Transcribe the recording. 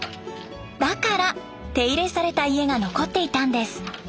だから手入れされた家が残っていたんです。